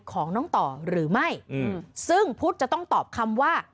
ของน้องต่อหรือไม่ซึ่งพุทธจะต้องตอบคำว่า